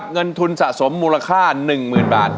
เงินทุนสะสมมูลค่า๑๐๐๐บาท